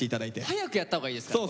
早くやったほうがいいですから。